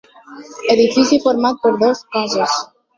Edifici format per dos cossos.